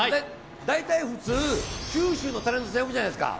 大体普通、九州のタレントさん呼ぶじゃないですか。